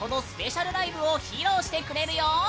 スペシャルライブを披露してくれるよ！